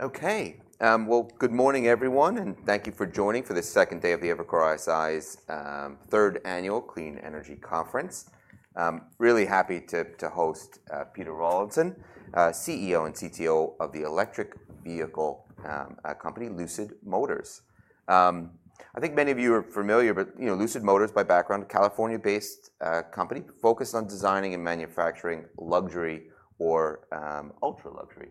Okay, well, good morning, everyone, and thank you for joining for the second day of the Evercore ISI's third annual Clean Energy Conference. Really happy to host Peter Rawlinson, CEO and CTO of the electric vehicle company Lucid Motors. I think many of you are familiar, but Lucid Motors, by background, is a California-based company focused on designing and manufacturing luxury or ultra-luxury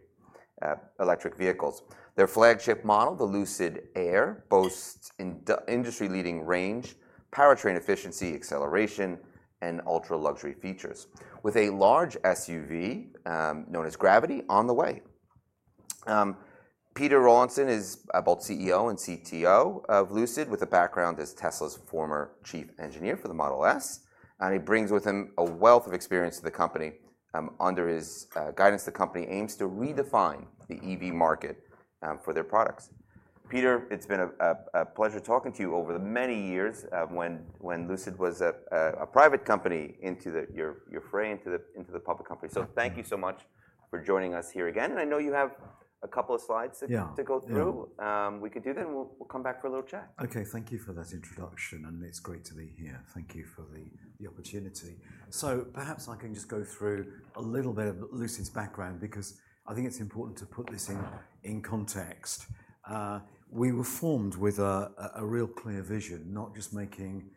electric vehicles. Their flagship model, the Lucid Air, boasts industry-leading range, powertrain efficiency, acceleration, and ultra-luxury features, with a large SUV known as the Lucid Gravity on the way. Peter Rawlinson is both CEO and CTO of Lucid, with a background as Tesla's former chief engineer for the Model S, and he brings with him a wealth of experience to the company. Under his guidance, the company aims to redefine the EV market for their products. Peter, it's been a pleasure talking to you over the many years when Lucid was a private company into your foray into the public company. So thank you so much for joining us here again. And I know you have a couple of slides to go through. Yeah. We could do that, and we'll come back for a little chat. Okay, thank you for that introduction, and it's great to be here. Thank you for the opportunity. So perhaps I can just go through a little bit of Lucid's background, because I think it's important to put this in context. We were formed with a real clear vision, not just making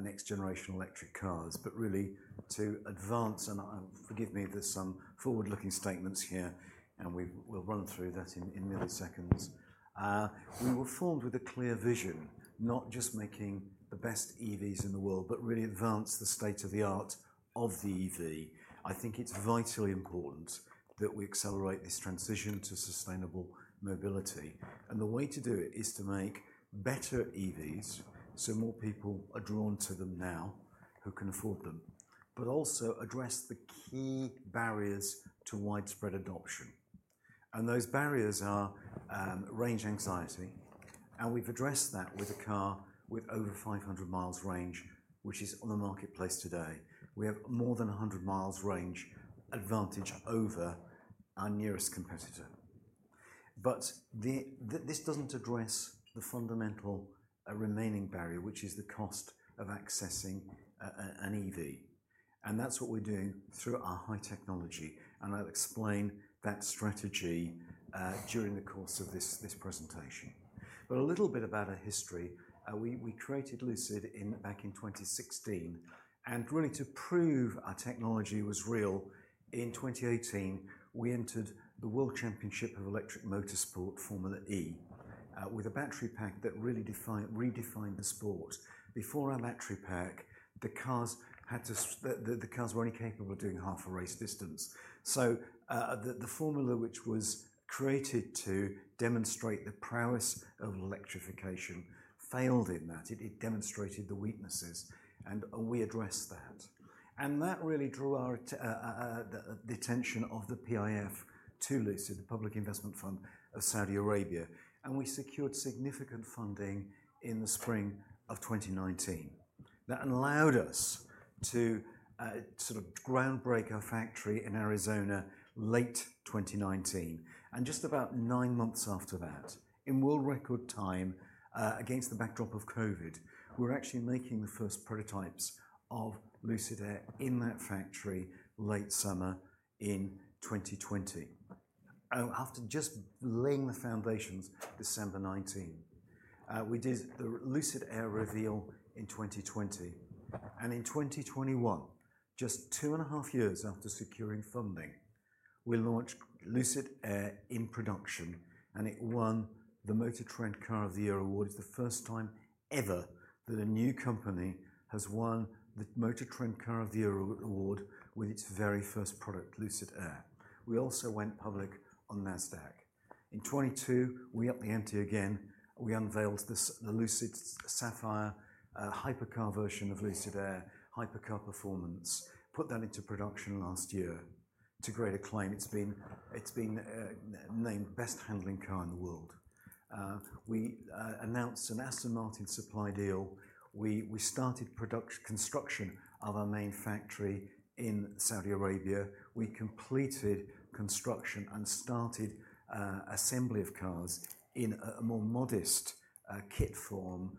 next-generation electric cars, but really to advance, and forgive me, there's some forward-looking statements here, and we'll run through that in milliseconds. We were formed with a clear vision, not just making the best EVs in the world, but really advance the state of the art of the EV. I think it's vitally important that we accelerate this transition to sustainable mobility. The way to do it is to make better EVs so more people are drawn to them now who can afford them, but also address the key barriers to widespread adoption. Those barriers are range anxiety. We've addressed that with a car with over 500 miles range, which is on the marketplace today. We have more than 100 miles range advantage over our nearest competitor. This doesn't address the fundamental remaining barrier, which is the cost of accessing an EV. That's what we're doing through our high technology. I'll explain that strategy during the course of this presentation. A little bit about our history. We created Lucid back in 2016. Really, to prove our technology was real, in 2018, we entered the World Championship of Electric Motorsport, Formula E, with a battery pack that really redefined the sport. Before our battery pack, the cars were only capable of doing half a race distance. The formula, which was created to demonstrate the prowess of electrification, failed in that. It demonstrated the weaknesses. We addressed that. That really drew the attention of the PIF to Lucid, the Public Investment Fund of Saudi Arabia. We secured significant funding in the spring of 2019. That allowed us to sort of break ground for our factory in Arizona late 2019. Just about nine months after that, in world record time, against the backdrop of COVID, we're actually making the first prototypes of Lucid Air in that factory late summer in 2020, after just laying the foundations December 2019. We did the Lucid Air reveal in 2020. In 2021, just two and a half years after securing funding, we launched Lucid Air in production. It won the MotorTrend Car of the Year award, the first time ever that a new company has won the MotorTrend Car of the Year award with its very first product, Lucid Air. We also went public on NASDAQ. In 2022, we upped the ante again. We unveiled the Lucid Air Sapphire hypercar version of Lucid Air, hypercar performance, put that into production last year to great acclaim. It's been named best handling car in the world. We announced an Aston Martin supply deal. We started construction of our main factory in Saudi Arabia. We completed construction and started assembly of cars in a more modest kit form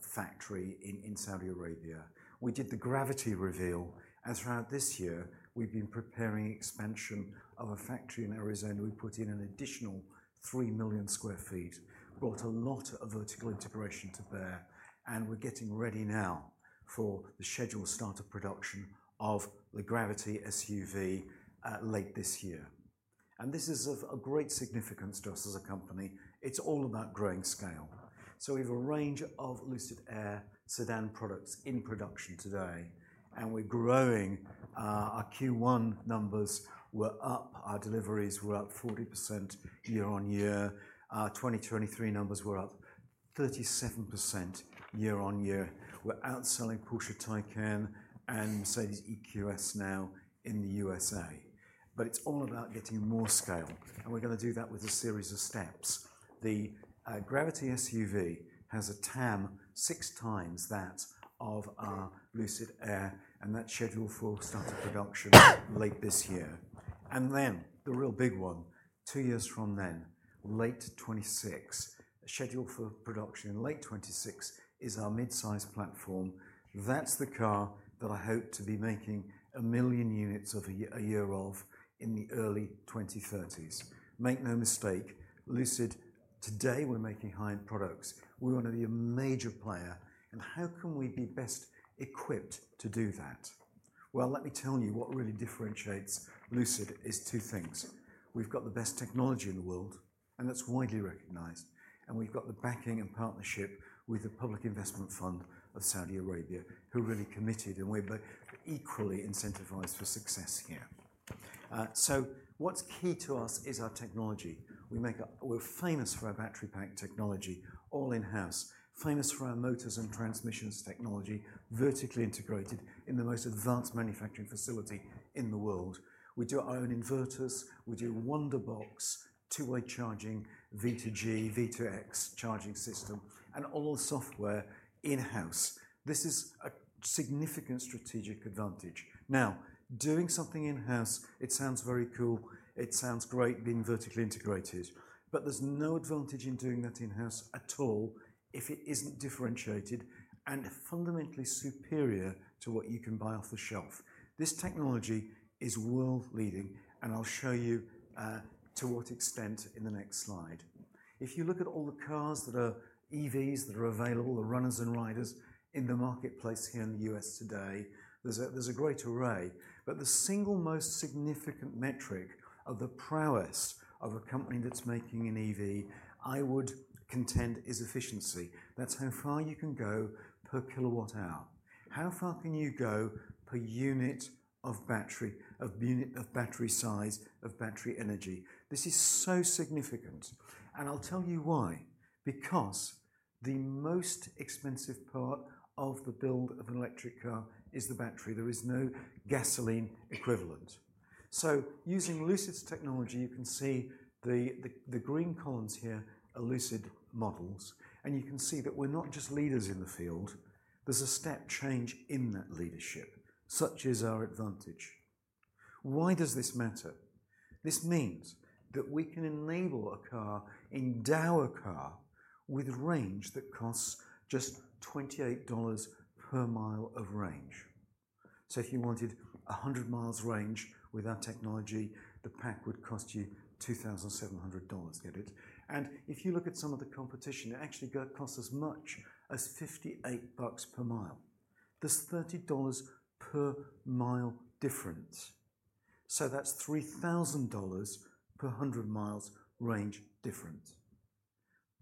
factory in Saudi Arabia. We did the Gravity reveal. Throughout this year, we've been preparing expansion of a factory in Arizona. We put in an additional 3 million sq ft, brought a lot of vertical integration to bear. We're getting ready now for the scheduled start of production of the Gravity SUV late this year. This is of great significance to us as a company. It's all about growing scale. So we have a range of Lucid Air sedan products in production today. And we're growing. Our Q1 numbers were up. Our deliveries were up 40% year-on-year. Our 2023 numbers were up 37% year-on-year. We're outselling Porsche Taycan and Mercedes EQS now in the USA. But it's all about getting more scale. And we're going to do that with a series of steps. The Gravity SUV has a TAM 6 times that of our Lucid Air. And that's scheduled for start of production late this year. And then the real big one, 2 years from then, late 2026, scheduled for production in late 2026, is our midsize platform. That's the car that I hope to be making 1 million units of a year of in the early 2030s. Make no mistake, Lucid, today we're making high-end products. We want to be a major player. And how can we be best equipped to do that? Well, let me tell you what really differentiates Lucid is two things. We've got the best technology in the world, and that's widely recognized. And we've got the backing and partnership with the Public Investment Fund of Saudi Arabia, who are really committed. And we're equally incentivized for success here. So what's key to us is our technology. We're famous for our battery pack technology, all in-house. Famous for our motors and transmissions technology, vertically integrated in the most advanced manufacturing facility in the world. We do our own inverters. We do Wunderbox, two-way charging, V2G, V2X charging system, and all the software in-house. This is a significant strategic advantage. Now, doing something in-house, it sounds very cool. It sounds great being vertically integrated. But there's no advantage in doing that in-house at all if it isn't differentiated and fundamentally superior to what you can buy off the shelf. This technology is world-leading. And I'll show you to what extent in the next slide. If you look at all the cars that are EVs that are available, the runners and riders in the marketplace here in the U.S. today, there's a great array. But the single most significant metric of the prowess of a company that's making an EV, I would contend, is efficiency. That's how far you can go per kilowatt-hour. How far can you go per unit of battery, of battery size, of battery energy? This is so significant. And I'll tell you why. Because the most expensive part of the build of an electric car is the battery. There is no gasoline equivalent. Using Lucid's technology, you can see the green columns here are Lucid models. You can see that we're not just leaders in the field. There's a step change in that leadership, such as our advantage. Why does this matter? This means that we can enable a car, endow a car with range that costs just $28 per mile of range. If you wanted 100 miles range with our technology, the pack would cost you $2,700, get it? If you look at some of the competition, it actually costs as much as $58 per mile. There's $30 per mile difference. That's $3,000 per 100 miles range difference.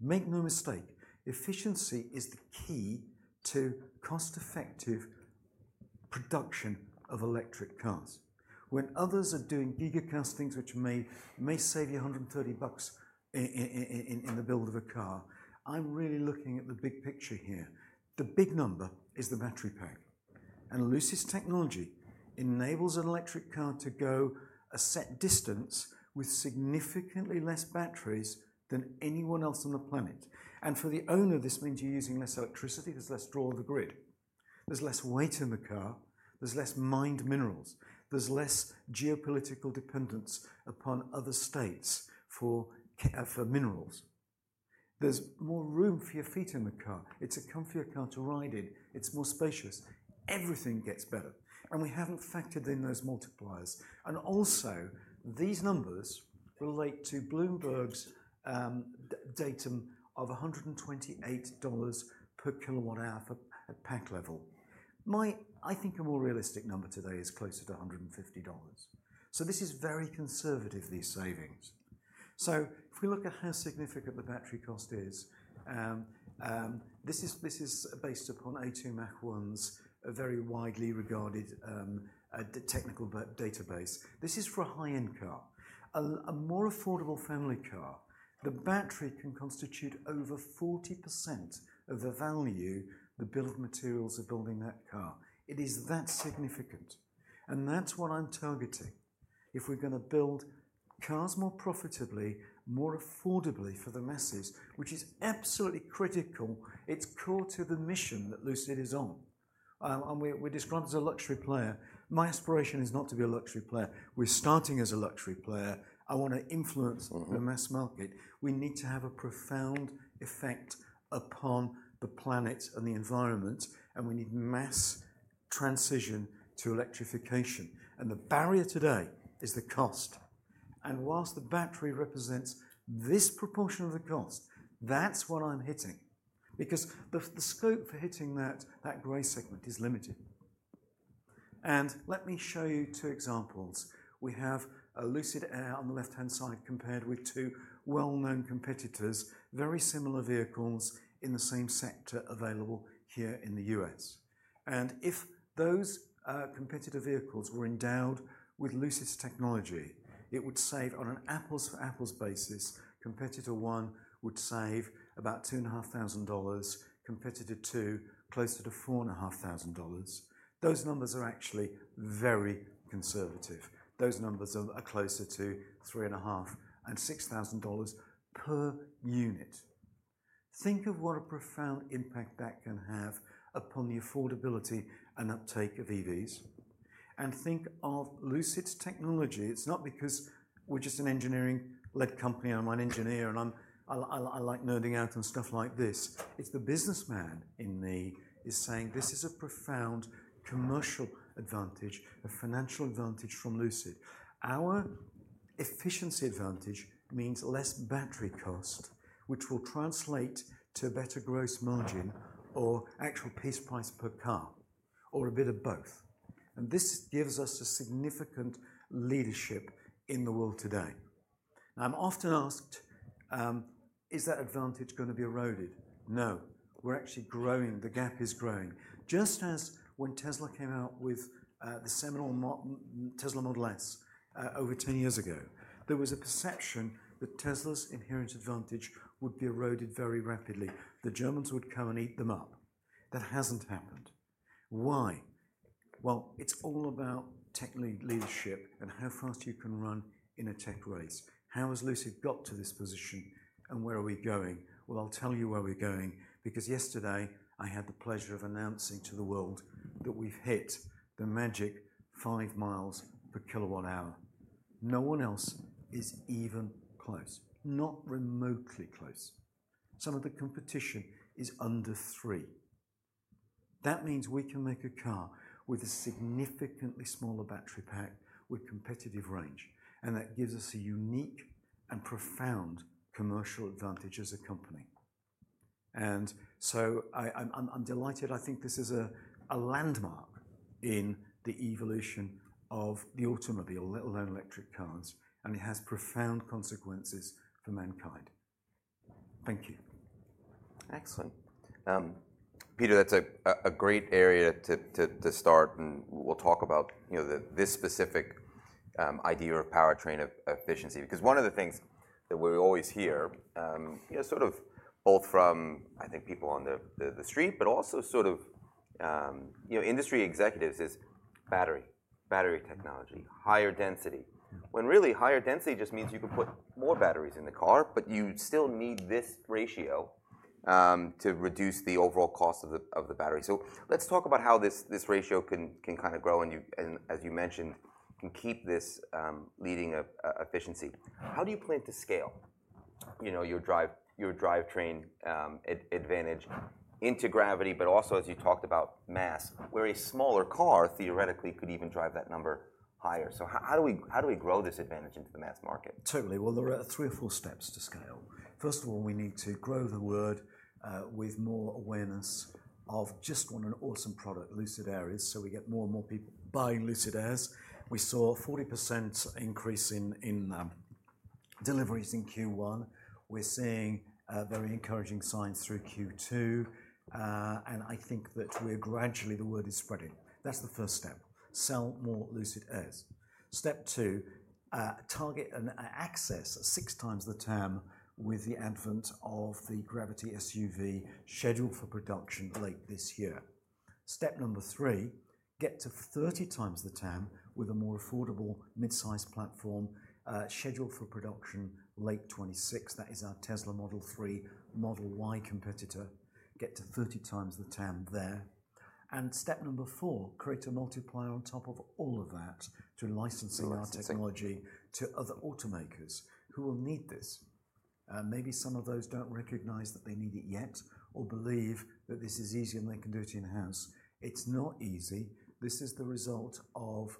Make no mistake, efficiency is the key to cost-effective production of electric cars. When others are doing gigacastings, which may save you $130 in the build of a car, I'm really looking at the big picture here. The big number is the battery pack. Lucid's technology enables an electric car to go a set distance with significantly less batteries than anyone else on the planet. For the owner, this means you're using less electricity. There's less draw of the grid. There's less weight in the car. There's less mined minerals. There's less geopolitical dependence upon other states for minerals. There's more room for your feet in the car. It's a comfier car to ride in. It's more spacious. Everything gets better. We haven't factored in those multipliers. Also, these numbers relate to Bloomberg's datum of $128 per kilowatt-hour at pack level. My, I think, a more realistic number today is closer to $150. So this is very conservative, these savings. So if we look at how significant the battery cost is, this is based upon A2MAC1's very widely regarded technical database. This is for a high-end car. A more affordable family car, the battery can constitute over 40% of the value, the bill of materials of building that car. It is that significant. That's what I'm targeting. If we're going to build cars more profitably, more affordably for the masses, which is absolutely critical, it's core to the mission that Lucid is on. We're described as a luxury player. My aspiration is not to be a luxury player. We're starting as a luxury player. I want to influence the mass market. We need to have a profound effect upon the planet and the environment. We need mass transition to electrification. The barrier today is the cost. While the battery represents this proportion of the cost, that's what I'm hitting. Because the scope for hitting that gray segment is limited. Let me show you two examples. We have a Lucid Air on the left-hand side compared with two well-known competitors, very similar vehicles in the same sector available here in the U.S. And if those competitor vehicles were endowed with Lucid's technology, it would save on an apples-to-apples basis. Competitor one would save about $2,500. Competitor two, closer to $4,500. Those numbers are actually very conservative. Those numbers are closer to $3,500 and $6,000 per unit. Think of what a profound impact that can have upon the affordability and uptake of EVs. And think of Lucid's technology. It's not because we're just an engineering-led company. I'm an engineer, and I like nerding out on stuff like this. It's the businessman in me is saying this is a profound commercial advantage, a financial advantage from Lucid. Our efficiency advantage means less battery cost, which will translate to a better gross margin or actual piece price per car, or a bit of both. This gives us a significant leadership in the world today. I'm often asked, is that advantage going to be eroded? No. We're actually growing. The gap is growing. Just as when Tesla came out with the seminal Tesla Model S over 10 years ago, there was a perception that Tesla's inherent advantage would be eroded very rapidly. The Germans would come and eat them up. That hasn't happened. Why? Well, it's all about tech leadership and how fast you can run in a tech race. How has Lucid got to this position, and where are we going? Well, I'll tell you where we're going. Because yesterday, I had the pleasure of announcing to the world that we've hit the magic 5 miles per kilowatt-hour. No one else is even close, not remotely close. Some of the competition is under 3. That means we can make a car with a significantly smaller battery pack with competitive range. That gives us a unique and profound commercial advantage as a company. So I'm delighted. I think this is a landmark in the evolution of the automobile, let alone electric cars. It has profound consequences for mankind. Thank you. Excellent. Peter, that's a great area to start. We'll talk about this specific idea of powertrain efficiency. Because one of the things that we always hear, sort of both from, I think, people on the street, but also sort of industry executives, is battery, battery technology, higher density. When really higher density just means you can put more batteries in the car, but you still need this ratio to reduce the overall cost of the battery. Let's talk about how this ratio can kind of grow, and as you mentioned, can keep this leading efficiency. How do you plan to scale your drivetrain advantage into Gravity, but also, as you talked about, mass, where a smaller car theoretically could even drive that number higher? How do we grow this advantage into the mass market? Totally. Well, there are three or four steps to scale. First of all, we need to grow the word with more awareness of just what an awesome product Lucid Air is. So we get more and more people buying Lucid Airs. We saw a 40% increase in deliveries in Q1. We're seeing very encouraging signs through Q2. And I think that gradually the word is spreading. That's the first step. Sell more Lucid Airs. Step two, target and access 6x the TAM with the advent of the Gravity SUV scheduled for production late this year. Step number three, get to 30x the TAM with a more affordable midsize platform scheduled for production late 2026. That is our Tesla Model 3, Model Y competitor. Get to 30x the TAM there. Step number four, create a multiplier on top of all of that to licensing our technology to other automakers who will need this. Maybe some of those don't recognize that they need it yet or believe that this is easier than they can do it in-house. It's not easy. This is the result of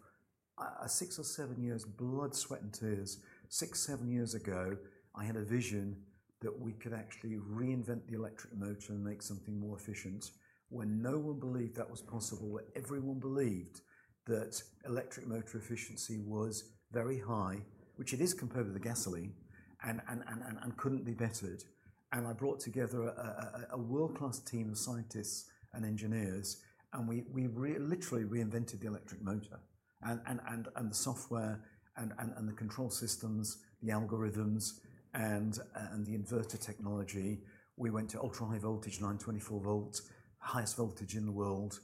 6 or 7 years' blood, sweat, and tears. 6, 7 years ago, I had a vision that we could actually reinvent the electric motor and make something more efficient when no one believed that was possible, where everyone believed that electric motor efficiency was very high, which it is compared with the gasoline, and couldn't be bettered. And I brought together a world-class team of scientists and engineers, and we literally reinvented the electric motor. The software and the control systems, the algorithms, and the inverter technology, we went to ultra-high voltage, 924 volts, highest voltage in the world,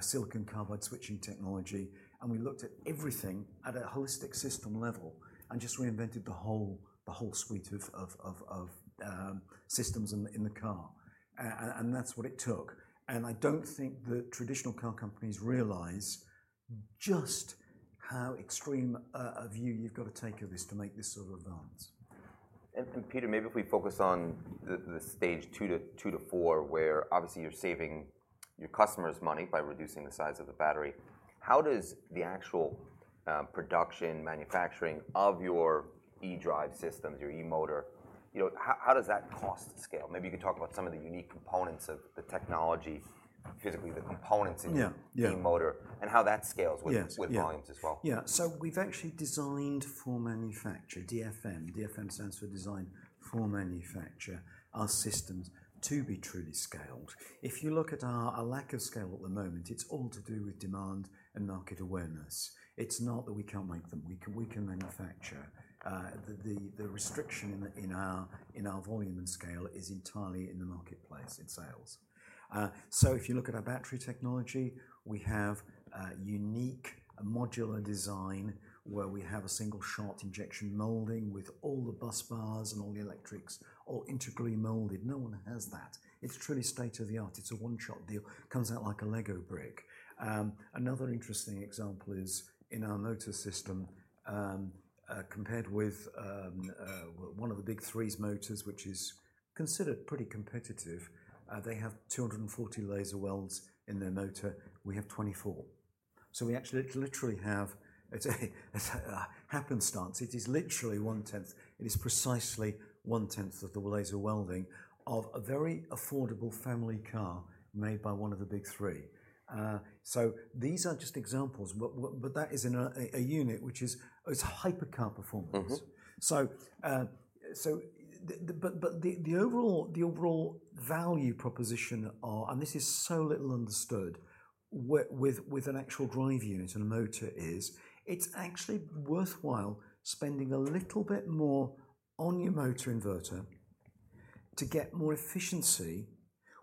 silicon carbide switching technology. We looked at everything at a holistic system level and just reinvented the whole suite of systems in the car. That's what it took. I don't think the traditional car companies realize just how extreme a view you've got to take of this to make this sort of advance. Peter, maybe if we focus on the stage 2 to 4, where obviously you're saving your customers money by reducing the size of the battery. How does the actual production, manufacturing of your eDrive systems, your eMotor, how does that cost scale? Maybe you could talk about some of the unique components of the technology, physically the components in the eMotor, and how that scales with volumes as well. Yeah. So we've actually designed for manufacture. DFM, DFM stands for design for manufacture, our systems to be truly scaled. If you look at our lack of scale at the moment, it's all to do with demand and market awareness. It's not that we can't make them. We can manufacture. The restriction in our volume and scale is entirely in the marketplace, in sales. So if you look at our battery technology, we have a unique modular design where we have a single-shot injection molding with all the busbars and all the electrics all integrally molded. No one has that. It's truly state of the art. It's a one-shot deal. Comes out like a Lego brick. Another interesting example is in our motor system, compared with one of the Big Three motors, which is considered pretty competitive, they have 240 laser welds in their motor. We have 24. So we actually literally have, happenstance, it is literally 1/10. It is precisely 1/10 of the laser welding of a very affordable family car made by one of the big three. So these are just examples. But that is in a unit which is hypercar performance. But the overall value proposition, and this is so little understood with an actual drive unit and a motor is, it's actually worthwhile spending a little bit more on your motor inverter to get more efficiency,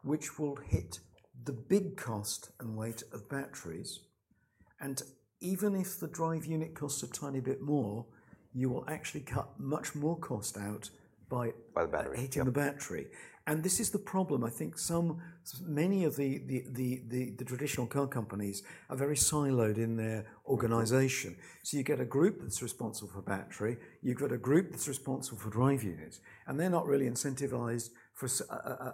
which will hit the big cost and weight of batteries. And even if the drive unit costs a tiny bit more, you will actually cut much more cost out by hitting the battery. And this is the problem. I think many of the traditional car companies are very siloed in their organization. So you get a group that's responsible for battery. You've got a group that's responsible for drive units. They're not really incentivized for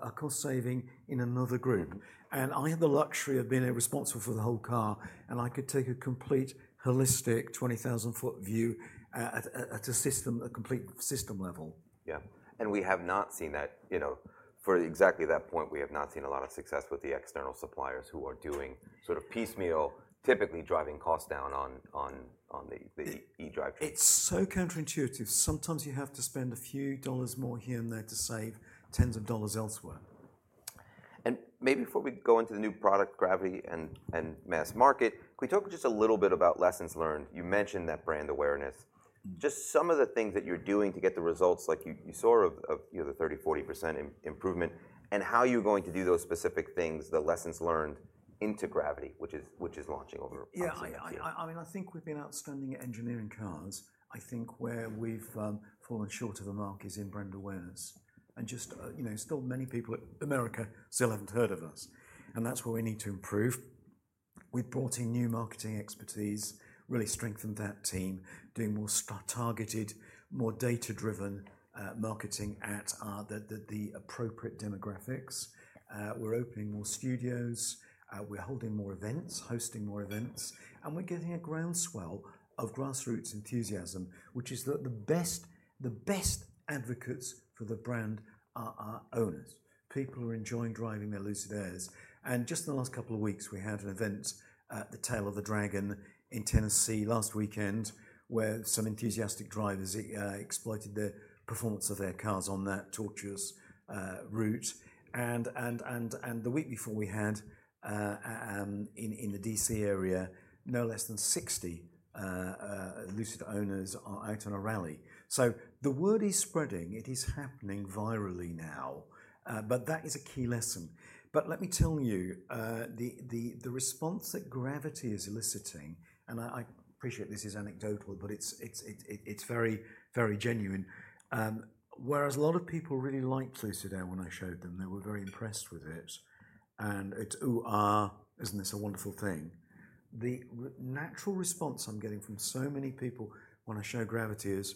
a cost saving in another group. I had the luxury of being responsible for the whole car, and I could take a complete holistic 20,000-foot view at a system, a complete system level. Yeah. We have not seen that. For exactly that point, we have not seen a lot of success with the external suppliers who are doing sort of piecemeal, typically driving costs down on the eDrive train. It's so counterintuitive. Sometimes you have to spend a few dollars more here and there to save tens of dollars elsewhere. Maybe before we go into the new product, Gravity and mass market, can we talk just a little bit about lessons learned? You mentioned that brand awareness. Just some of the things that you're doing to get the results like you saw of the 30%-40% improvement and how you're going to do those specific things, the lessons learned into Gravity, which is launching over a few months from now. Yeah. I mean, I think we've been outstanding at engineering cars. I think where we've fallen short of the mark is in brand awareness. And just, still many people in America still haven't heard of us. And that's where we need to improve. We've brought in new marketing expertise, really strengthened that team, doing more targeted, more data-driven marketing at the appropriate demographics. We're opening more studios. We're holding more events, hosting more events. And we're getting a groundswell of grassroots enthusiasm, which is that the best advocates for the brand are owners. People are enjoying driving their Lucid Airs. And just in the last couple of weeks, we had an event at the Tail of the Dragon in Tennessee last weekend where some enthusiastic drivers exploited the performance of their cars on that tortuous route. The week before we had in the D.C. area no less than 60 Lucid owners out on a rally. So the word is spreading. It is happening virally now. But that is a key lesson. But let me tell you, the response that Gravity is eliciting, and I appreciate this is anecdotal, but it's very genuine. Whereas a lot of people really liked Lucid Air when I showed them, they were very impressed with it. And it's, "Ooh, isn't this a wonderful thing?" The natural response I'm getting from so many people when I show Gravity is,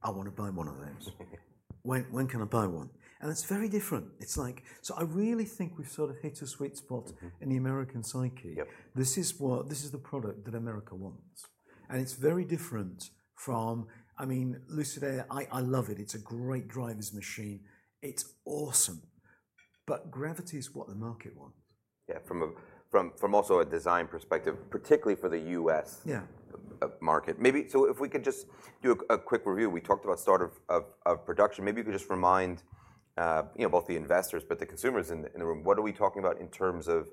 "I want to buy one of those. When can I buy one?" And it's very different. It's like, so I really think we've sort of hit a sweet spot in the American psyche. This is the product that America wants. It's very different from, I mean, Lucid Air. I love it. It's a great driver's machine. It's awesome. But Gravity is what the market wants. Yeah. From also a design perspective, particularly for the U.S. market. So if we could just do a quick review. We talked about start of production. Maybe you could just remind both the investors but the consumers in the room, what are we talking about in terms of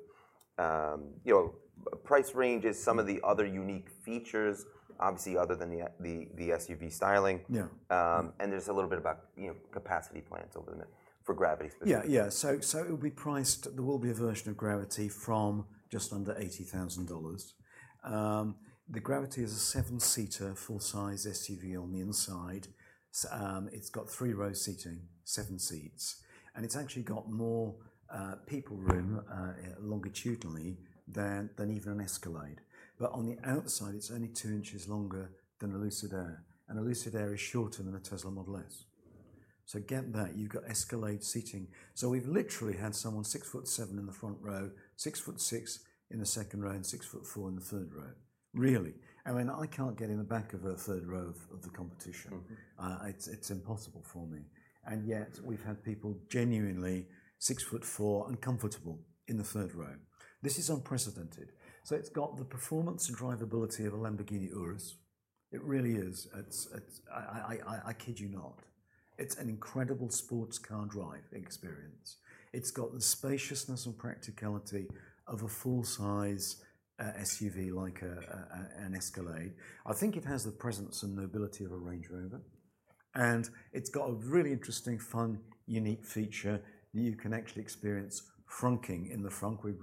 price ranges, some of the other unique features, obviously, other than the SUV styling? And there's a little bit about capacity plans for Gravity specifically. Yeah. Yeah. So it will be priced; there will be a version of Gravity from just under $80,000. The Gravity is a 7-seater full-size SUV on the inside. It's got 3 rows seating, 7 seats. And it's actually got more people room longitudinally than even an Escalade. But on the outside, it's only 2 inches longer than a Lucid Air. And a Lucid Air is shorter than a Tesla Model S. So get that. You've got Escalade seating. So we've literally had someone 6 foot 7 in the front row, 6 foot 6 in the second row, and 6 foot 4 in the third row. Really. And I can't get in the back of a third row of the competition. It's impossible for me. And yet we've had people genuinely 6 foot 4 uncomfortable in the third row. This is unprecedented. So it's got the performance and drivability of a Lamborghini Urus. It really is. I kid you not. It's an incredible sports car drive experience. It's got the spaciousness and practicality of a full-size SUV like an Escalade. I think it has the presence and nobility of a Range Rover. And it's got a really interesting, fun, unique feature that you can actually experience frunking in the frunk. We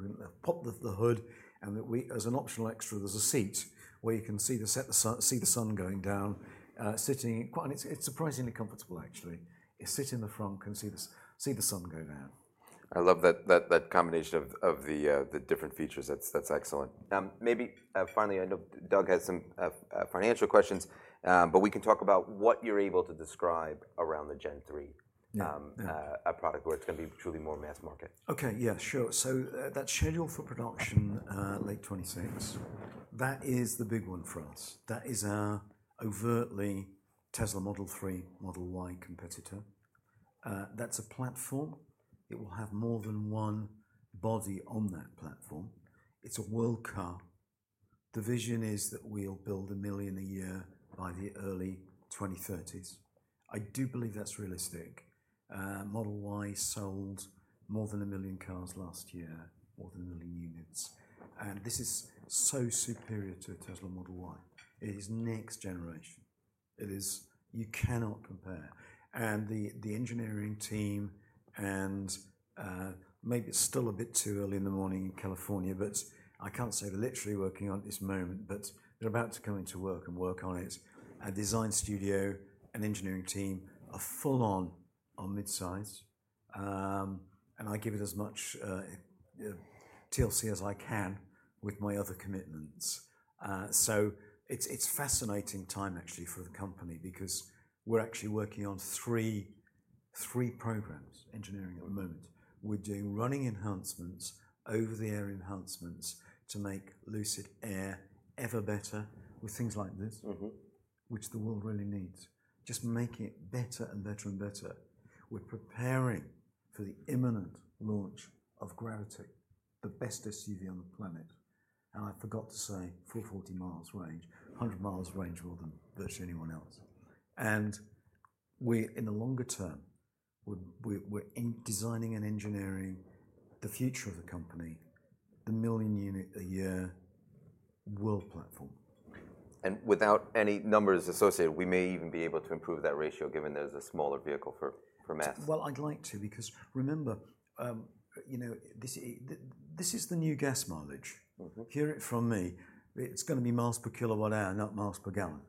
pop the hood. And as an optional extra, there's a seat where you can see the sun going down. It's surprisingly comfortable, actually. You sit in the frunk and see the sun go down. I love that combination of the different features. That's excellent. Maybe finally, I know Doug has some financial questions, but we can talk about what you're able to describe around the Gen 3, a product where it's going to be truly more mass market. Okay. Yeah. Sure. So that schedule for production, late 2026, that is the big one for us. That is our overtly Tesla Model 3, Model Y competitor. That's a platform. It will have more than one body on that platform. It's a world car. The vision is that we'll build 1 million a year by the early 2030s. I do believe that's realistic. Model Y sold more than 1 million cars last year, more than 1 million units. And this is so superior to a Tesla Model Y. It is next generation. You cannot compare. And the engineering team and maybe it's still a bit too early in the morning in California, but I can't say they're literally working on it at this moment, but they're about to come into work and work on it. A design studio, an engineering team, are full on on midsize. And I give it as much TLC as I can with my other commitments. So it's a fascinating time, actually, for the company because we're actually working on three programs engineering at the moment. We're doing running enhancements, over-the-air enhancements to make Lucid Air ever better with things like this, which the world really needs. Just make it better and better and better. We're preparing for the imminent launch of Gravity, the best SUV on the planet. And I forgot to say, full 40-mile range, 100-mile range rather than virtually anyone else. And in the longer term, we're designing and engineering the future of the company, the 1 million-unit-a-year world platform. Without any numbers associated, we may even be able to improve that ratio given there's a smaller vehicle for mass. Well, I'd like to because remember, this is the new gas mileage. Hear it from me. It's going to be miles per kilowatt-hour, not miles per gallon.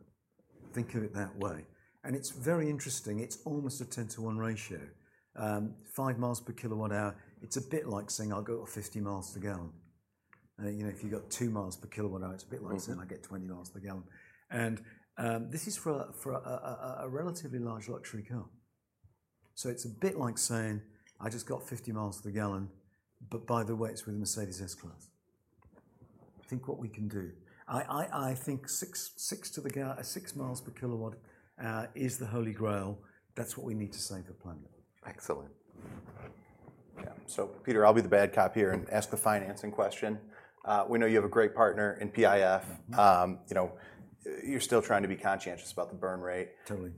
Think of it that way. And it's very interesting. It's almost a 10-to-1 ratio. 5 mi/kWh, it's a bit like saying, "I'll go 50 miles per gallon." If you've got 2 mi/kWh, it's a bit like saying, "I get 20 miles per gallon." And this is for a relatively large luxury car. So it's a bit like saying, "I just got 50 miles per gallon, but by the way, it's with a Mercedes S-Class." Think what we can do. I think 6 mi/kWh is the Holy Grail. That's what we need to save the planet. Excellent. Yeah. So Peter, I'll be the bad cop here and ask the financing question. We know you have a great partner in PIF. You're still trying to be conscientious about the burn rate. Totally.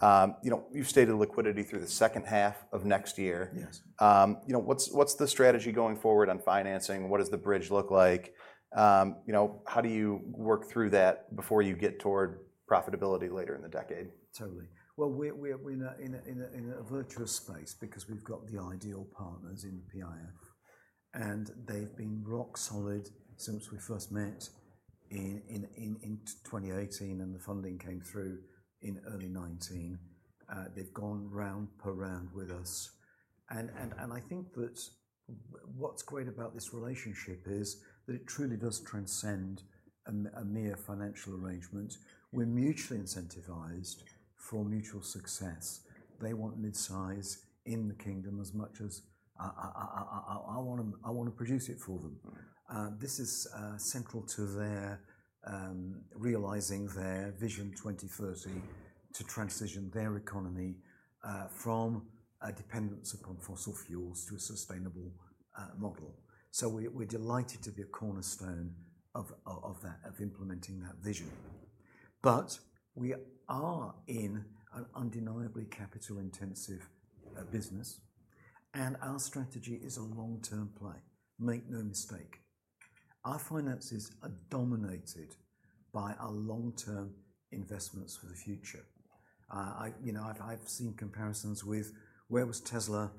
You've stated liquidity through the second half of next year. What's the strategy going forward on financing? What does the bridge look like? How do you work through that before you get toward profitability later in the decade? Totally. Well, we're in a virtuous space because we've got the ideal partners in PIF. They've been rock solid since we first met in 2018, and the funding came through in early 2019. They've gone round per round with us. I think that what's great about this relationship is that it truly does transcend a mere financial arrangement. We're mutually incentivized for mutual success. They want midsize in the kingdom as much as I want to produce it for them. This is central to realizing their Vision 2030 to transition their economy from a dependence upon fossil fuels to a sustainable model. We're delighted to be a cornerstone of that, of implementing that vision. We are in an undeniably capital-intensive business. Our strategy is a long-term play. Make no mistake. Our finances are dominated by our long-term investments for the future. I've seen comparisons with where was Tesla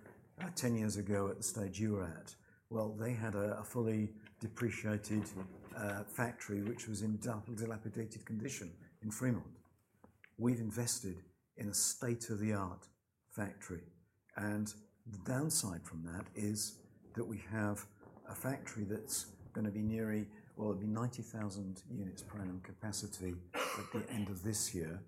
10 years ago at the stage you were at? Well, they had a fully depreciated factory, which was in dilapidated condition in Fremont. We've invested in a state-of-the-art factory. And the downside from that is that we have a factory that's going to be nearly, well, it'll be 90,000 units per annum capacity at the end of this year.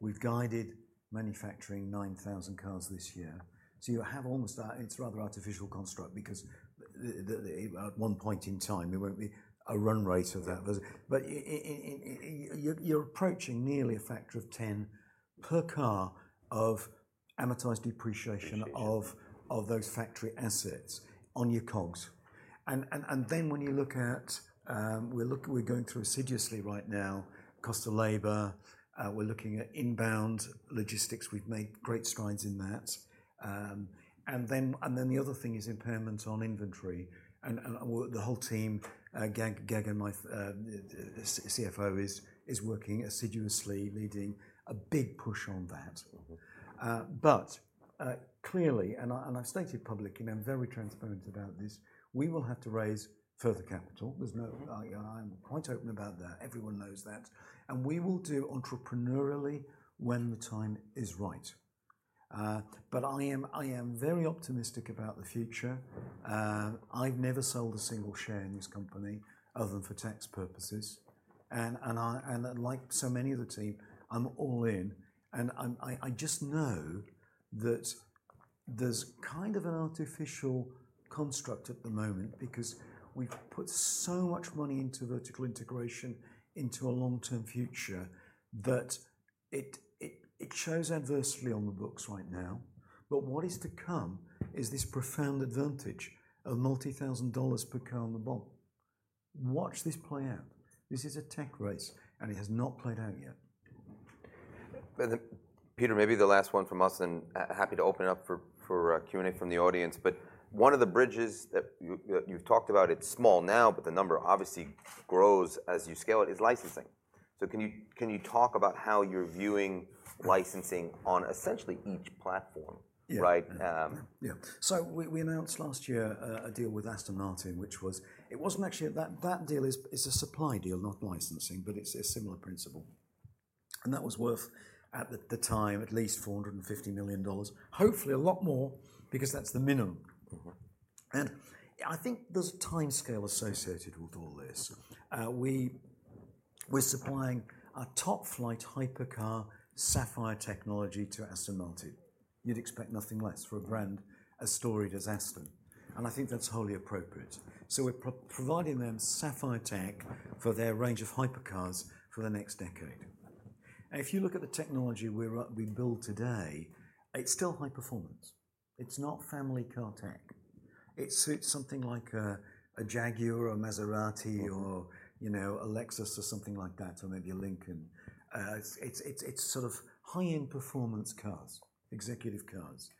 We've guided manufacturing 9,000 cars this year. So you have almost a, it's rather artificial construct because at one point in time, there won't be a run rate of that. But you're approaching nearly a factor of 10 per car of amortized depreciation of those factory assets on your COGS. And then when you look at, we're going through assiduously right now, cost of labor. We're looking at inbound logistics. We've made great strides in that. Then the other thing is impairments on inventory. The whole team, Gagan and my CFO, is working assiduously leading a big push on that. But clearly, and I've stated publicly, and I'm very transparent about this, we will have to raise further capital. I'm quite open about that. Everyone knows that. We will do entrepreneurially when the time is right. But I am very optimistic about the future. I've never sold a single share in this company other than for tax purposes. Like so many of the team, I'm all in. I just know that there's kind of an artificial construct at the moment because we've put so much money into vertical integration into a long-term future that it shows adversely on the books right now. But what is to come is this profound advantage of multi-thousand dollars per car on the bottom. Watch this play out. This is a tech race, and it has not played out yet. Peter, maybe the last one from us, and happy to open it up for Q&A from the audience. But one of the bridges that you've talked about, it's small now, but the number obviously grows as you scale it, is licensing. So can you talk about how you're viewing licensing on essentially each platform? Yeah. So we announced last year a deal with Aston Martin, which was, it wasn't actually that deal, it's a supply deal, not licensing, but it's a similar principle. And that was worth at the time at least $450 million, hopefully a lot more because that's the minimum. And I think there's a timescale associated with all this. We're supplying a top-flight hypercar Sapphire technology to Aston Martin. You'd expect nothing less for a brand as storied as Aston. And I think that's wholly appropriate. So we're providing them Sapphire tech for their range of hypercars for the next decade. And if you look at the technology we build today, it's still high performance. It's not family car tech. It suits something like a Jaguar, a Maserati, or a Lexus, or something like that, or maybe a Lincoln. It's sort of high-end performance cars, executive cars.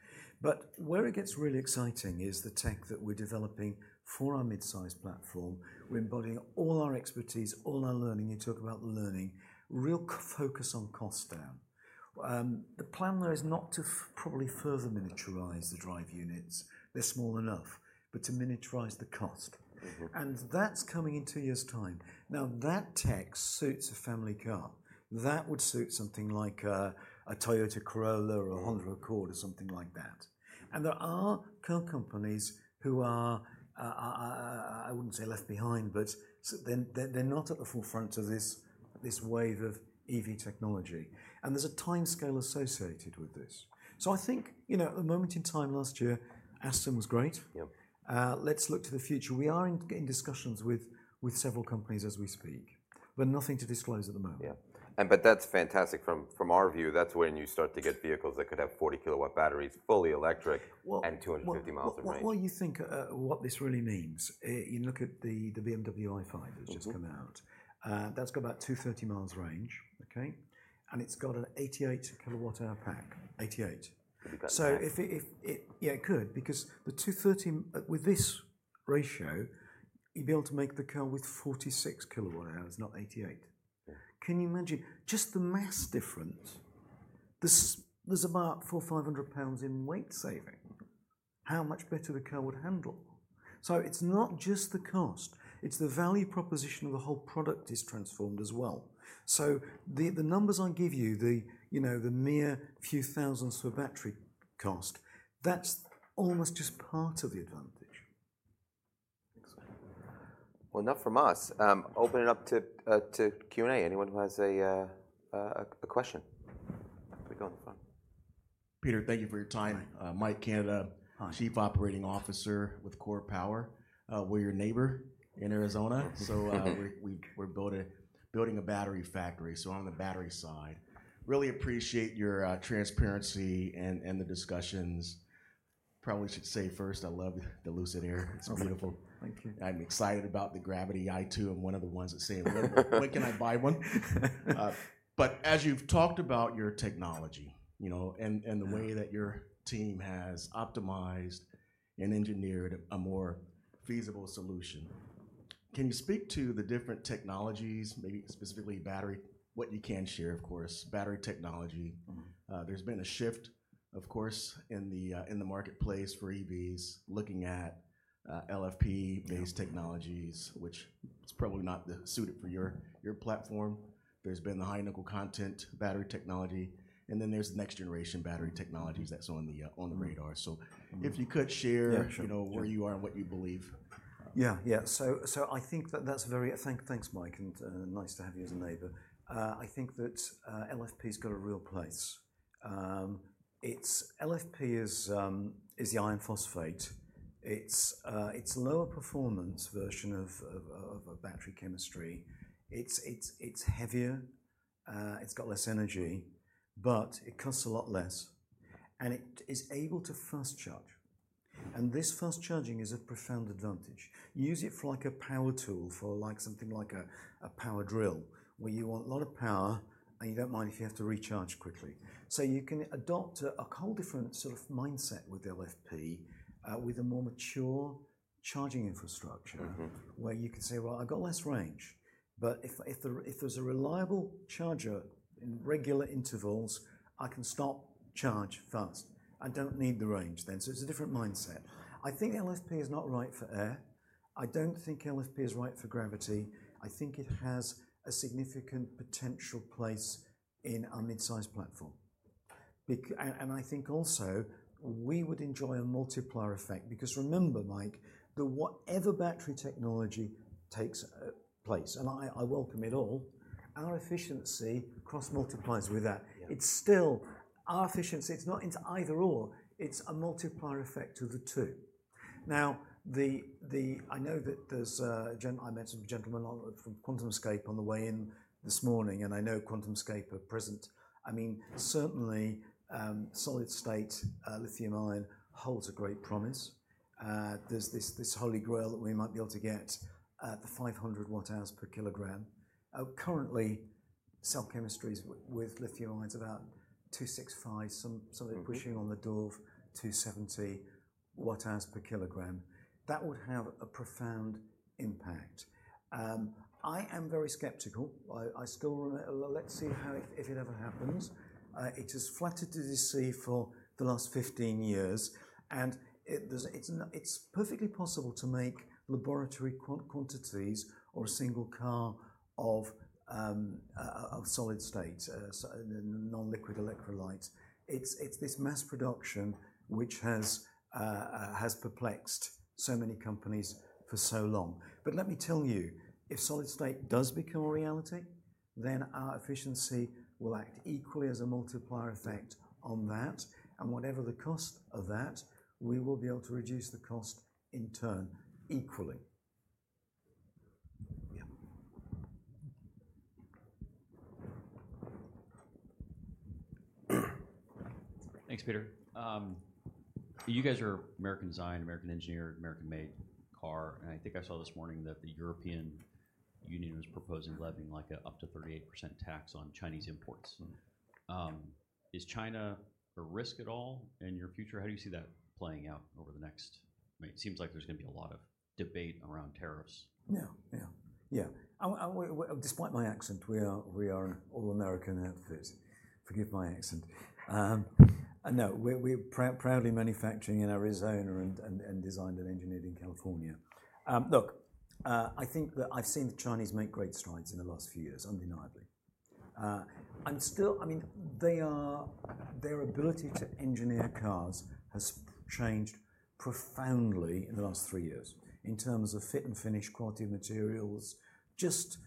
But where it gets really exciting is the tech that we're developing for our Midsize Platform. We're embodying all our expertise, all our learning. You talk about learning, real focus on cost down. The plan there is not to probably further miniaturize the drive units. They're small enough, but to miniaturize the cost. And that's coming in two years' time. Now, that tech suits a family car. That would suit something like a Toyota Corolla or a Honda Accord or something like that. And there are car companies who are, I wouldn't say left behind, but they're not at the forefront of this wave of EV technology. And there's a timescale associated with this. So I think at the moment in time last year, Aston was great. Let's look to the future. We are in discussions with several companies as we speak. But nothing to disclose at the moment. Yeah. But that's fantastic. From our view, that's when you start to get vehicles that could have 40 kWh batteries, fully electric, and 250 miles of range. Well, what do you think what this really means? You look at the BMW i5 that's just come out. That's got about 230 miles range, okay? And it's got an 88 kWh pack. 88. So it could because with this ratio, you'd be able to make the car with 46 kWh, not 88. Can you imagine just the mass difference? There's about 400-500 pounds in weight saving. How much better the car would handle. So it's not just the cost. It's the value proposition of the whole product is transformed as well. So the numbers I give you, the mere few thousands for battery cost, that's almost just part of the advantage. Well, enough from us. Open it up to Q&A. Anyone who has a question? We go in the front. Peter, thank you for your time. Mike Canada, Chief Operating Officer with KORE Power. We're your neighbor in Arizona. So we're building a battery factory. So I'm on the battery side. Really appreciate your transparency and the discussions. Probably should say first, I love the Lucid Air. It's beautiful. Thank you. I'm excited about the Gravity i2. I'm one of the ones that say, "When can I buy one?" But as you've talked about your technology and the way that your team has optimized and engineered a more feasible solution, can you speak to the different technologies, maybe specifically battery, what you can share, of course, battery technology? There's been a shift, of course, in the marketplace for EVs, looking at LFP-based technologies, which is probably not suited for your platform. There's been the high-nickel content battery technology. And then there's next-generation battery technologies that's on the radar. So if you could share where you are and what you believe. Yeah. Yeah. So I think that's very thanks, Mike, and nice to have you as a neighbor. I think that LFP has got a real place. LFP is the iron phosphate. It's a lower performance version of battery chemistry. It's heavier. It's got less energy. But it costs a lot less. And it is able to fast charge. And this fast charging is a profound advantage. You use it for a power tool for something like a power drill where you want a lot of power and you don't mind if you have to recharge quickly. So you can adopt a whole different sort of mindset with LFP with a more mature charging infrastructure where you can say, "Well, I've got less range. But if there's a reliable charger in regular intervals, I can stop, charge fast. I don't need the range then." So it's a different mindset. I think LFP is not right for Air. I don't think LFP is right for Gravity. I think it has a significant potential place in our Midsize Platform. And I think also we would enjoy a multiplier effect because remember, Mike, the whatever battery technology takes place, and I welcome it all, our efficiency cross-multiplies with that. It's still our efficiency. It's not into either/or. It's a multiplier effect to the two. Now, I know that there's a gentleman I met, a gentleman from QuantumScape on the way in this morning, and I know QuantumScape are present. I mean, certainly solid-state lithium-ion holds a great promise. There's this Holy Grail that we might be able to get at the 500 Wh/kg. Currently, cell chemistry with lithium-ion is about 265 Wh/kg, somewhere pushing on the door of 270 Wh/kg. That would have a profound impact. I am very skeptical. I still want to. Let's see how, if it ever happens. It has failed to deliver for the last 15 years. It's perfectly possible to make laboratory quantities or a single car of solid state, non-liquid electrolytes. It's this mass production which has perplexed so many companies for so long. But let me tell you, if solid state does become a reality, then our efficiency will act equally as a multiplier effect on that. And whatever the cost of that, we will be able to reduce the cost in turn equally. Yeah. Thanks, Peter. You guys are American design, American engineer, American-made car. I think I saw this morning that the European Union was proposing levying up to 38% tax on Chinese imports. Is China a risk at all in your future? How do you see that playing out over the next? I mean, it seems like there's going to be a lot of debate around tariffs. Yeah. Yeah. Yeah. Despite my accent, we are all American outfits. Forgive my accent. No, we're proudly manufacturing in Arizona and designed and engineered in California. Look, I think that I've seen the Chinese make great strides in the last few years, undeniably. I mean, their ability to engineer cars has changed profoundly in the last three years in terms of fit and finish, quality of materials, just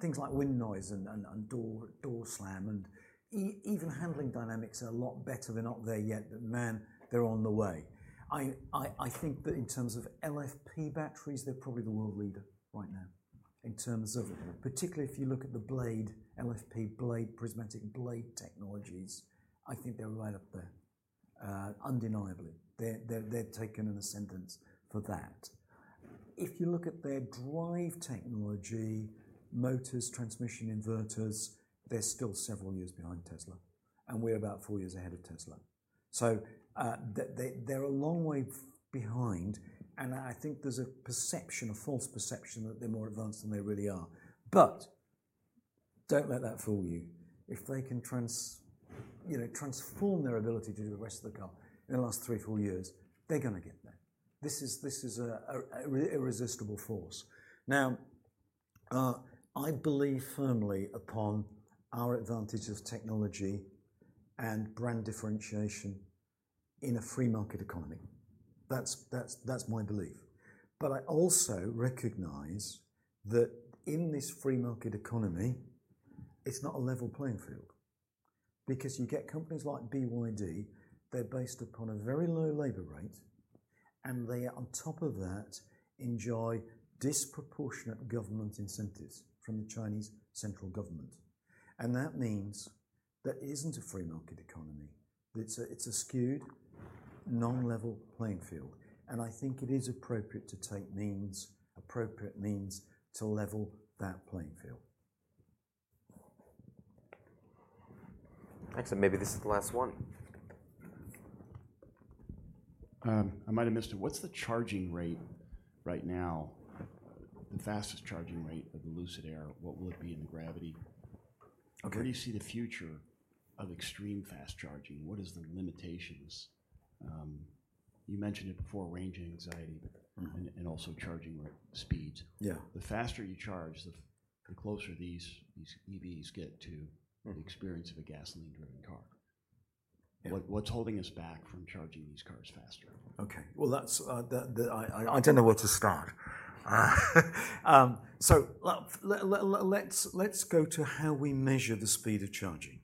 things like wind noise and door slam. And even handling dynamics are a lot better. They're not there yet, but man, they're on the way. I think that in terms of LFP batteries, they're probably the world leader right now. In terms of particularly if you look at the blade, LFP blade, prismatic blade technologies, I think they're right up there, undeniably. They've taken an ascendance for that. If you look at their drive technology, motors, transmission, inverters, they're still several years behind Tesla. We're about 4 years ahead of Tesla. They're a long way behind. I think there's a perception, a false perception that they're more advanced than they really are. But don't let that fool you. If they can transform their ability to do the rest of the car in the last 3, 4 years, they're going to get there. This is an irresistible force. Now, I believe firmly upon our advantage of technology and brand differentiation in a free market economy. That's my belief. I also recognize that in this free market economy, it's not a level playing field because you get companies like BYD, they're based upon a very low labor rate, and they on top of that enjoy disproportionate government incentives from the Chinese central government. And that means that it isn't a free market economy. It's a skewed, non-level playing field. And I think it is appropriate to take means, appropriate means to level that playing field. Excellent. Maybe this is the last one. I might have missed it. What's the charging rate right now? The fastest charging rate of the Lucid Air, what will it be in the Gravity? Where do you see the future of extreme fast charging? What are the limitations? You mentioned it before, range anxiety and also charging speeds. The faster you charge, the closer these EVs get to the experience of a gasoline-driven car. What's holding us back from charging these cars faster? Okay. Well, I don't know where to start. So let's go to how we measure the speed of charging.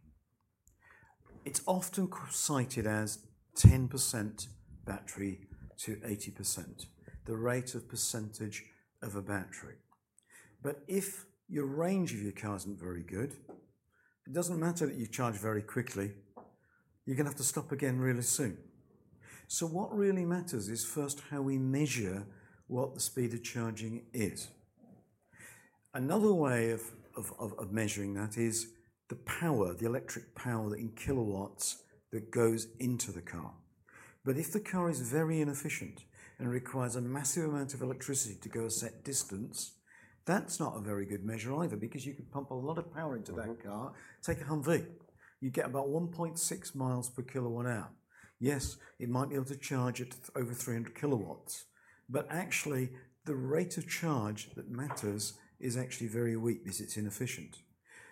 It's often cited as 10%-80%, the rate of percentage of a battery. But if your range of your car isn't very good, it doesn't matter that you charge very quickly. You're going to have to stop again really soon. So what really matters is first how we measure what the speed of charging is. Another way of measuring that is the power, the electric power in kilowatts that goes into the car. But if the car is very inefficient and requires a massive amount of electricity to go a set distance, that's not a very good measure either because you can pump a lot of power into that car. Take a Humvee. You get about 1.6 mi/kWh. Yes, it might be able to charge it over 300 kW. But actually, the rate of charge that matters is actually very weak because it's inefficient.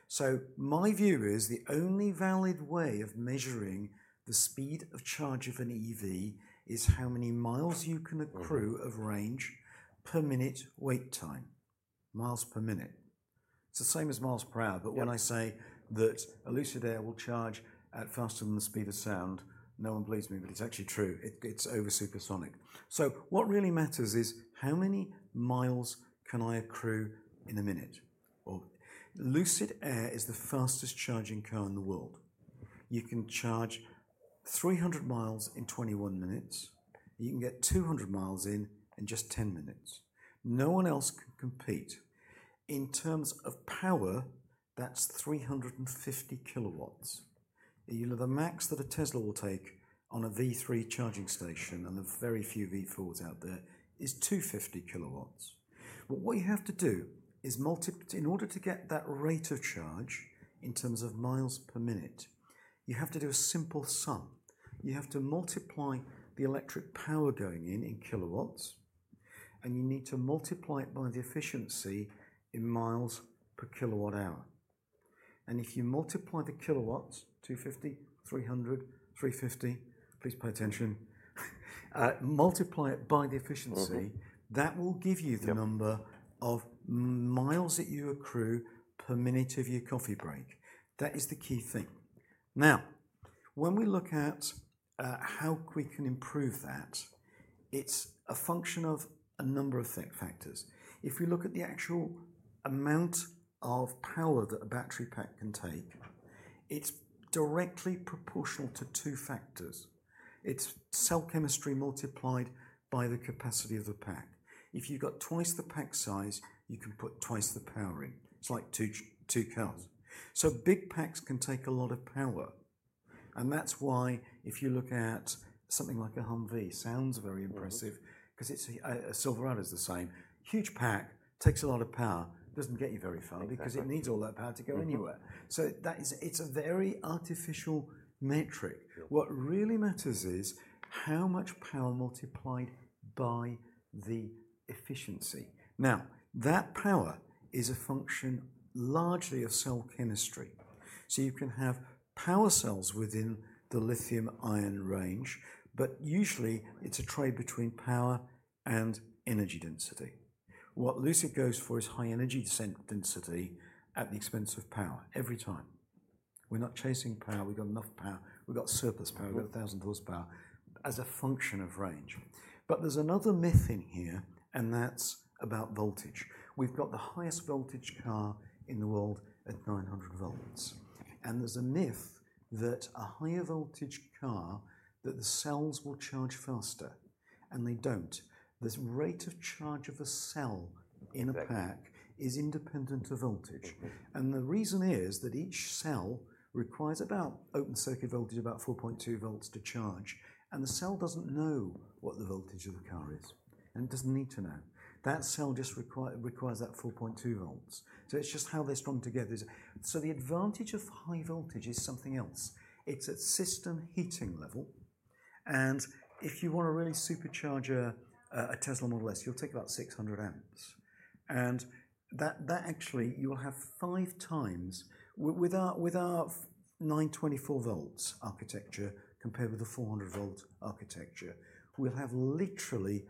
So my view is the only valid way of measuring the speed of charge of an EV is how many miles you can accrue of range per minute wait time, miles per minute. It's the same as miles per hour. But when I say that a Lucid Air will charge at faster than the speed of sound, no one believes me, but it's actually true. It's over supersonic. So what really matters is how many miles can I accrue in a minute? Lucid Air is the fastest charging car in the world. You can charge 300 miles in 21 minutes. You can get 200 miles in just 10 minutes. No one else can compete. In terms of power, that's 350 kW. The max that a Tesla will take on a V3 charging station and the very few V4s out there is 250 kW. But what you have to do is in order to get that rate of charge in terms of miles per minute, you have to do a simple sum. You have to multiply the electric power going in in kW, and you need to multiply it by the efficiency in miles per kilowatt hour. And if you multiply the kW, 250 kW, 300 kW, 350 kW, please pay attention, multiply it by the efficiency, that will give you the number of miles that you accrue per minute of your coffee break. That is the key thing. Now, when we look at how we can improve that, it's a function of a number of factors. If we look at the actual amount of power that a battery pack can take, it's directly proportional to two factors. It's cell chemistry multiplied by the capacity of the pack. If you've got twice the pack size, you can put twice the power in. It's like two cars. So big packs can take a lot of power. And that's why if you look at something like a Humvee, sounds very impressive because a Silverado is the same. Huge pack takes a lot of power, doesn't get you very far because it needs all that power to go anywhere. So it's a very artificial metric. What really matters is how much power multiplied by the efficiency. Now, that power is a function largely of cell chemistry. So you can have power cells within the lithium-ion range, but usually it's a trade between power and energy density. What Lucid goes for is high energy density at the expense of power every time. We're not chasing power. We've got enough power. We've got surplus power. We've got 1,000 horsepower as a function of range. But there's another myth in here, and that's about voltage. We've got the highest voltage car in the world at 900 volts. There's a myth that a higher voltage car, that the cells will charge faster. They don't. The rate of charge of a cell in a pack is independent of voltage. The reason is that each cell requires about open circuit voltage, about 4.2 volts to charge. The cell doesn't know what the voltage of the car is. It doesn't need to know. That cell just requires that 4.2 volts. It's just how they're strung together. The advantage of high voltage is something else. It's at system heating level. If you want to really supercharge a Tesla Model S, you'll take about 600 amps. That actually, you will have five times without 924-volt architecture compared with the 400-volt architecture, we'll have literally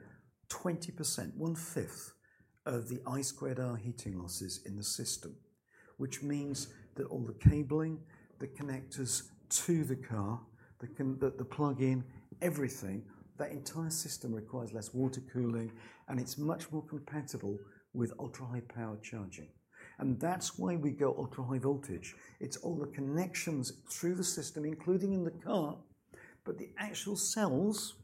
20%, one-fifth of the I2R heating losses in the system, which means that all the cabling, the connectors to the car, the plug-in, everything, that entire system requires less water cooling, and it's much more compatible with ultra-high power charging. That's why we go ultra-high voltage. It's all the connections through the system, including in the car, but the actual cells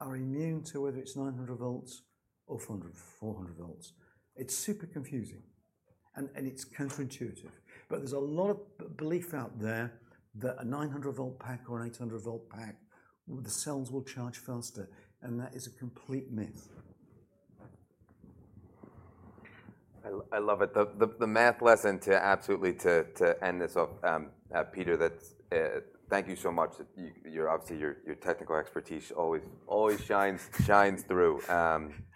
are immune to whether it's 900 volts or 400 volts. It's super confusing. It's counterintuitive. But there's a lot of belief out there that a 900-volt pack or an 800-volt pack, the cells will charge faster. That is a complete myth. I love it. The math lesson to absolutely end this off, Peter. That's, thank you so much. Obviously, your technical expertise always shines through.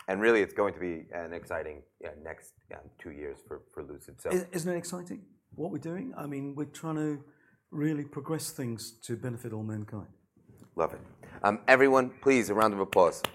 And really, it's going to be an exciting next two years for Lucid. Isn't it exciting what we're doing? I mean, we're trying to really progress things to benefit all mankind. Love it. Everyone, please, a round of applause.